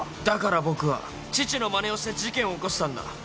だから僕は父のまねをして事件を起こしたんだ。